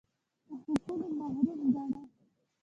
له حقونو محروم ګاڼه